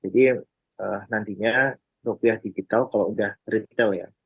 jadi nantinya rupiah digital kalau udah retail ya